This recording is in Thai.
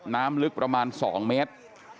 น้ำลึกประมาณ๒เมตร